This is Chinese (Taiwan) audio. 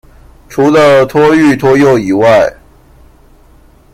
除了托育、托幼以外